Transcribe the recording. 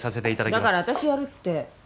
だから私やるって。